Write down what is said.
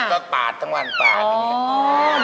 ก็ปาดทั้งวันแบบนี้